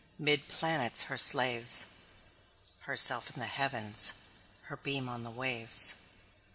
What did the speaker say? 'Mid planets her slaves, Herself in the Heavens, Her beam on the waves.